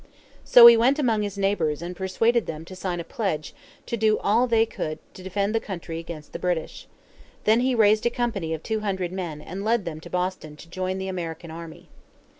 So he went among his neighbors and persuaded them to sign a pledge to do all that they could to defend the country against the British. Then he raised a company of two hundred men and led them to Boston to join the American army.